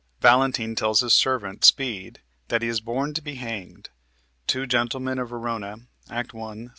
Valentine tells his servant, Speed, that he is born to be hanged (Two Gentlemen of Verona, Act 1, Sc.